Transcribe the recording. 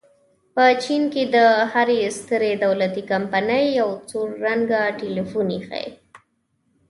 په چین کې د هرې سترې دولتي کمپنۍ یو سور رنګه ټیلیفون ایښی.